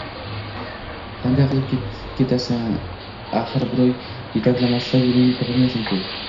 Qanday qilib ketasan, axir birov yetaklamasa, yo‘lingni topolmaysan-ku!